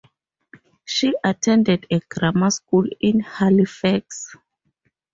She attended a grammar school in Halifax.